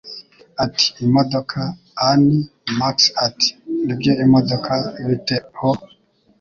ati: "Imodoka, Annie," Max ati: "Nibyo imodoka Bite ho?